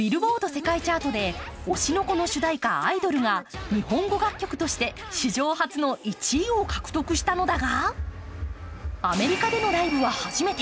世界チャートで「推しの子」の主題歌、「アイドル」が日本語楽曲として史上初の１位を獲得したのだがアメリカでのライブは初めて。